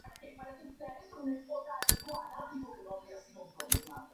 Odie llegó a la casa de Jon con su dueño Lyman.